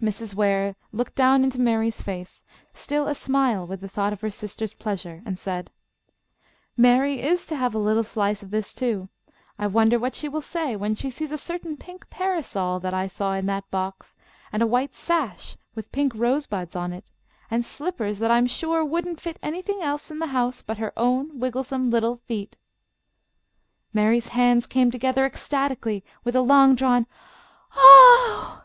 Mrs. Ware looked down into Mary's face, still a smile with the thought of her sister's pleasure, and said: "Mary is to have a little slice of this, too. I wonder what she will say when she sees a certain pink parasol that I saw in that box, and a white sash with pink rosebuds on it, and slippers that I'm sure wouldn't fit anything else in the house but her own wigglesome little feet." Mary's hands came together ecstatically, with a long drawn "Oh!"